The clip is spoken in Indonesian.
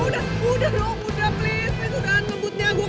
udah udah udah oh udah please